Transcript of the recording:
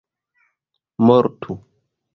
mortu